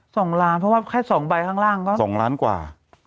สองล้านเพราะว่าแค่สองใบข้างล่างก็สองล้านกว่า